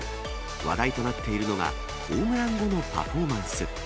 話題となっているのが、ホームラン後のパフォーマンス。